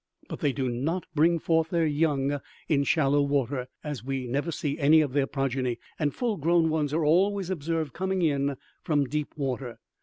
But they do not bring forth their young in shallow water, as we never see any of their progeny, and full grown ones are always observed coming in from deep water.